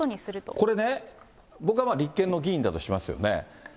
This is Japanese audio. これね、僕が立憲の議員だとしますよね。